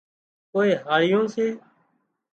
ڪوئي هاۯيون سي